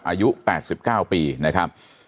อายุแปดสิบเก้าปีนะครับ